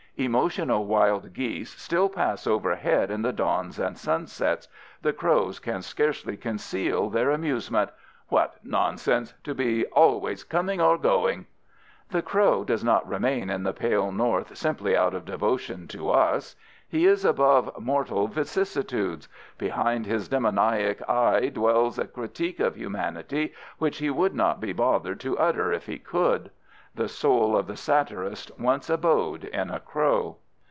Emotional wild geese still pass overhead in the dawns and sunsets—the crows can scarcely conceal their amusement: "What nonsense, to be always coming or going!" The crow does not remain in the pale North simply out of devotion to us. He is above mortal vicissitudes; behind his demoniac eye dwells a critique of humanity which he would not be bothered to utter if he could. The soul of the satirist once abode in a crow.